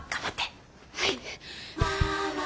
はい。